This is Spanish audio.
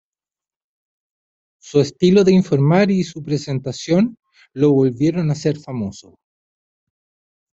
Su estilo de informar y su presentación lo volvieron a hacer famoso.